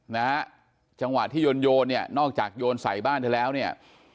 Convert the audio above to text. นะฮะจังหวะที่โยนโยนเนี่ยนอกจากโยนใส่บ้านเธอแล้วเนี่ย